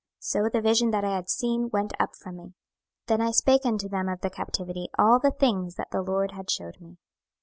So the vision that I had seen went up from me. 26:011:025 Then I spake unto them of the captivity all the things that the LORD had shewed me.